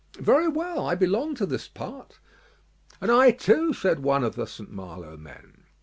"Very well; I belong to this part." "And I, too," said one of the St. Malo men.